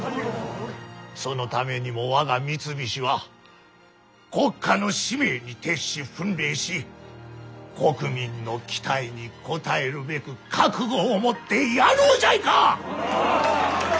そのためにも我が三菱は国家の使命に徹し奮励し国民の期待に応えるべく覚悟を持ってやろうじゃいか！